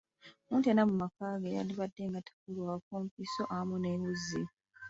Omuntu yenna mu maka ge yandibadde nga tabulwako mpiso awamu ne wuzi.